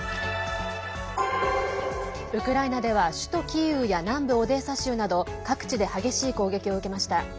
ウクライナでは首都キーウや南部オデーサ州など各地で激しい攻撃を受けました。